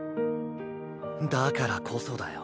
だからこそだよ。